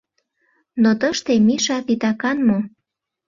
Но тыште Миша титакан мо?